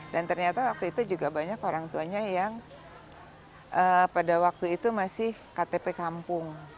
dan ternyata waktu itu juga banyak orang tuanya yang pada waktu itu masih ktp kampung